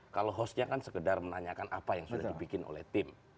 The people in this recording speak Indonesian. kalau hostnya kan sekedar menanyakan apa yang sudah dibikin oleh tim